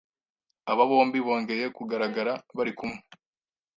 aba bombi bongeye kugaragara barikumwe